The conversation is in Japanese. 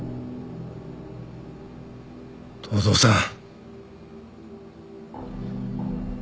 東堂さん。